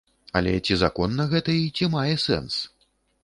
Але ці законна гэта і ці мае сэнс?